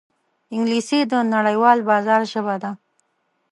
انګلیسي د نړیوال بازار ژبه ده